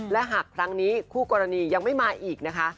และหากครั้งนี้คู่กรณียังไม่มาอีกนะคะ